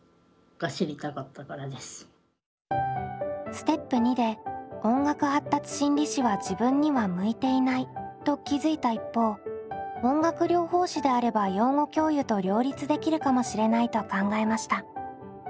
ステップ②で音楽発達心理士は自分には向いていないと気付いた一方音楽療法士であれば養護教諭と両立できるかもしれないと考えました。